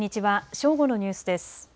正午のニュースです。